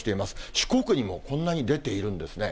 四国にもこんなに出ているんですね。